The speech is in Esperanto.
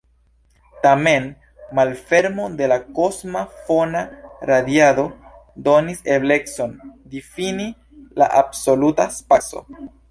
Tamen, malfermo de la kosma fona radiado donis eblecon difini la absoluta spaco.